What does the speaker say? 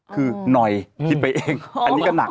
คือหน่อยคิดไปเองอันนี้ก็หนัก